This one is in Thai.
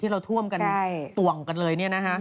เราท่วมกันต่วงกันเลยเนี่ยน่ะฮะ